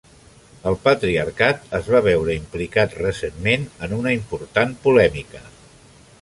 El patriarcat es va veure implicat recentment en una important polèmica.